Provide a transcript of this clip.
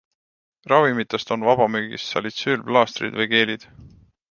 Ravimitest on vabamüügis salitsüülplaastrid või -geelid.